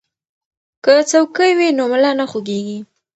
که څوکۍ وي نو ملا نه خوږیږي.